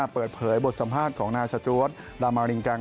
เปิดเผยบทสัมภาษณ์ของนายสตรวดลามารินกัง